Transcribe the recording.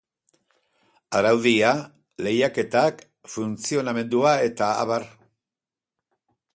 Araudia, lehiaketak, funtzionamendua eta abar.